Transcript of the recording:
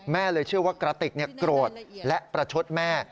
เลยเชื่อว่ากระติกโกรธและประชดแม่